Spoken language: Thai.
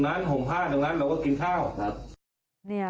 เราห่มผ้าให้หรือว่าห่มผ้าถุงน่ะทิ้งขนพื้นน่ะ